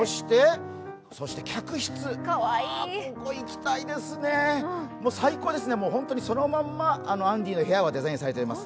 そして客室、ここ行きたいですね、最高ですね、本当にそのままアンディの部屋が再現されています。